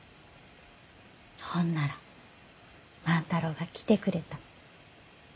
ほんなら万太郎が来てくれた。